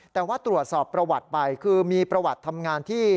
แต่ว่าตรวจสอบประวัติไปคือมีประวัติทำงานที่